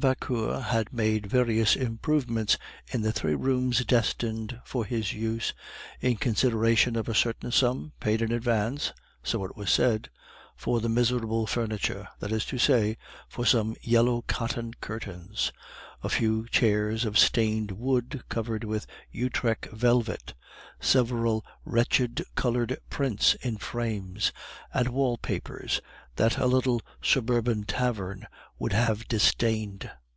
Vauquer had made various improvements in the three rooms destined for his use, in consideration of a certain sum paid in advance, so it was said, for the miserable furniture, that is to say, for some yellow cotton curtains, a few chairs of stained wood covered with Utrecht velvet, several wretched colored prints in frames, and wall papers that a little suburban tavern would have disdained.